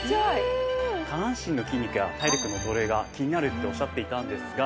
下半身の筋肉や体力の衰えが気になるっておっしゃっていたんですが。